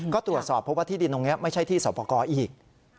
ก็ตรวจสอบเพราะว่าที่ดินตรงนี้ไม่ใช่ที่สอบประกอบอีก